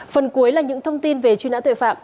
phần cuối là những thông tin về truy nã tội phạm